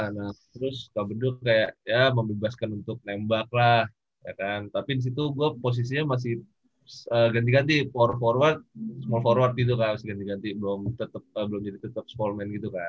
nah terus kak bedu kayak ya membebaskan untuk nembak lah ya kan tapi di situ gue posisinya masih ganti ganti power forward small forward gitu kan masih ganti ganti belum tetep belum jadi tetep small man gitu kan